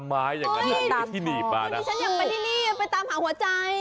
ผมอยากมาที่นี่ไปตามหาหัวใจ